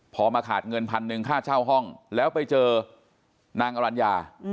พอมาขาดเงินพันหนึ่งค่าเช่าห้องแล้วไปเจอนางอรัญญา